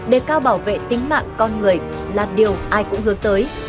để cao bảo vệ tính mạng con người là điều ai cũng hướng tới